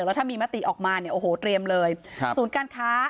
แล้วถ้ามีมติออกมาเนี่ยโอ้โหเตรียมเลยครับศูนย์การค้า